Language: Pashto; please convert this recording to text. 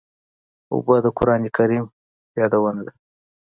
اوبه د قرآن کریم یادونه ده.